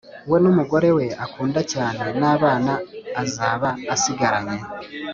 we n’umugore we akunda cyane n’abana azaba asigaranye,